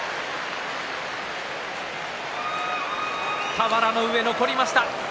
俵の上、残りました。